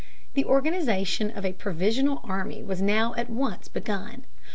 The organization of a provisional army was now at once begun.